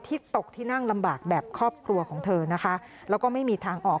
ตกที่นั่งลำบากแบบครอบครัวของเธอนะคะแล้วก็ไม่มีทางออก